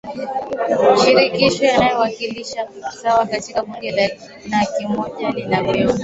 shirikisho yanawakilishwa sawa katika bunge na kila moja linapewa